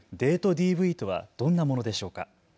ＤＶとはどんなものでしょうか。